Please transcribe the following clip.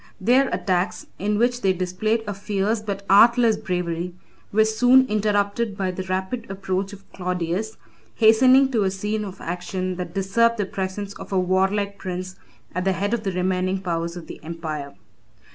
Their attacks, in which they displayed a fierce but artless bravery, were soon interrupted by the rapid approach of Claudius, hastening to a scene of action that deserved the presence of a warlike prince at the head of the remaining powers of the empire.